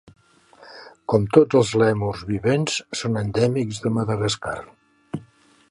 Com tots els lèmurs vivents, són endèmics de Madagascar.